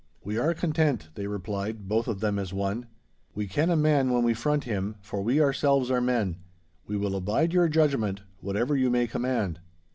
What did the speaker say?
'We are content,' they replied, both of them as one. 'We ken a man when we front him, for we ourselves are men. We will abide your judgment, whatever you may command.